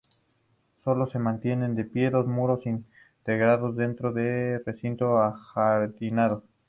Sólo se mantienen en pie dos muros, integrados dentro de un recinto ajardinado.